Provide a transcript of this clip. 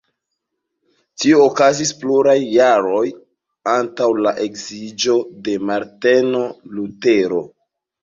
Tio okazis pluraj jaroj antaŭ la edziĝo de Marteno Lutero.